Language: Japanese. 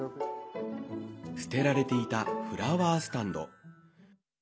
捨てられていたフラワースタンド。